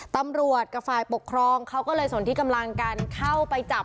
ตำรวจกับฝ่ายปกครองเขาก็เลยสนที่กำลังกันเข้าไปจับ